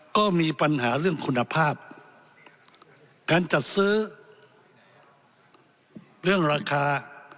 ก็มีปัญหาเรื่องคุณภาพการจัดซื้อเรื่องราคา